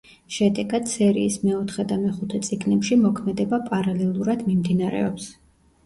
შედეგად, სერიის მეოთხე და მეხუთე წიგნებში მოქმედება პარალელურად მიმდინარეობს.